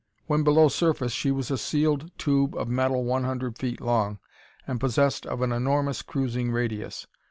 When below surface she was a sealed tube of metal one hundred feet long, and possessed of an enormous cruising radius.